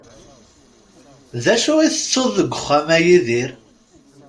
D acu i tettuḍ deg wexxam, a Yidir?